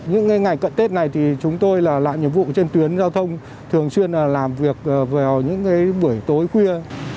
những ngày cận tết này thì chúng tôi là làm nhiệm vụ trên tuyến giao thông thường xuyên làm việc vào những buổi tối khuya